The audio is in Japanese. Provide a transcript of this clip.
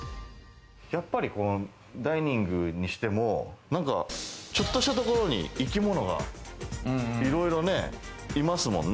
やっぱりダイニングにしても、ちょっとしたところに生き物がいろいろね、いますもんね。